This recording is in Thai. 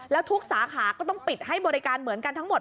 แล้วทุกสาขาก็ต้องปิดให้บริการเหมือนกันทั้งหมด